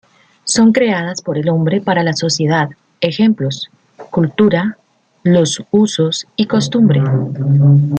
Son creadas por el hombre para la sociedad, ejemplos: cultura, los usos y costumbre.